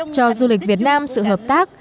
cho du lịch việt nam sự hợp tác